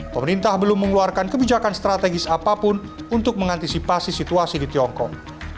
pemerintah belum mengeluarkan kebijakan strategis apapun untuk mengantisipasi situasi di tiongkok